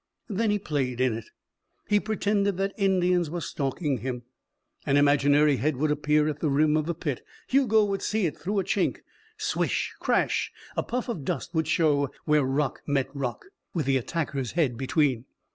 Then he played in it. He pretended that Indians were stalking him. An imaginary head would appear at the rim of the pit. Hugo would see it through a chink. Swish! Crash! A puff of dust would show where rock met rock with the attacker's head between.